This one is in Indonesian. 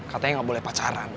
katanya nggak boleh pacaran